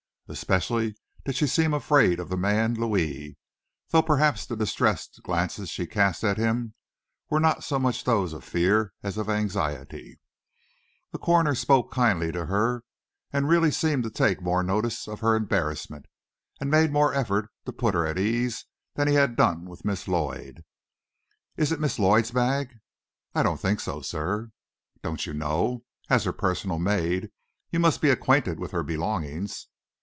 Especially did she seem afraid of the man, Louis. Though perhaps the distressed glances she cast at him were not so much those of fear as of anxiety. The coroner spoke kindly to her, and really seemed to take more notice of her embarrassment, and make more effort to put her at her ease than he had done with Miss Lloyd. "Is it Miss Lloyd's bag?" "I don't think so, sir." "Don't you know? As her personal maid, you must be acquainted with her belongings."